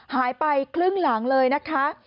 หายไปครึ่งหลังเลยนะคะ